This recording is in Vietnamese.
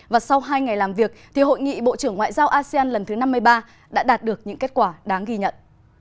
và sau hai ngày làm việc thì hội nghị bộ trưởng ngoại giao asean lần thứ năm mươi ba đã đạt được những kết quả đáng ghi nhận